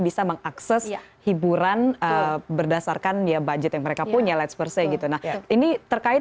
bisa mengakses hiburan berdasarkan ya budget yang mereka punya let's percaya gitu nah ini terkait